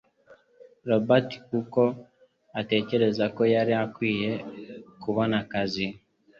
Robert kuko atekereza ko yari akwiye kubona akazi